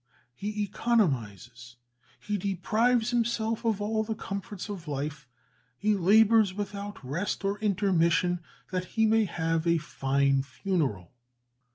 He economizes, he deprives himself of all the comforts of life, he labours without rest or intermission, that he may have a fine funeral!